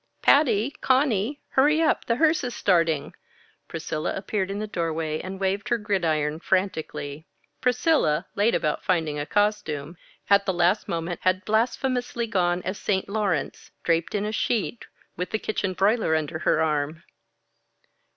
"Patty! Conny! Hurry up. The hearse is starting." Priscilla appeared in the doorway and waved her gridiron frantically. Priscilla, late about finding a costume, at the last moment had blasphemously gone as St. Laurence, draped in a sheet, with the kitchen broiler under her arm.